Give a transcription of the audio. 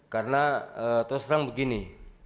karena terus terang begini